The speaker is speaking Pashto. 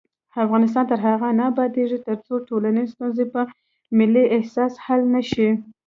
افغانستان تر هغو نه ابادیږي، ترڅو ټولنیزې ستونزې په ملي احساس حل نشي.